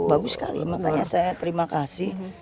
bagus sekali makanya saya terima kasih